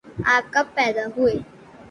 آپ کب پیدا ہوئے